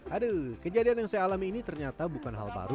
aduh kejadian yang saya alami ini ternyata bukan hal baru